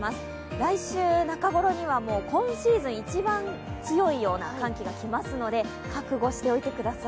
来週中ごろには今シーズン一番強いような寒気が来ますので、覚悟しておいてください。